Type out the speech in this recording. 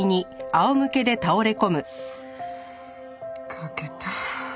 書けた。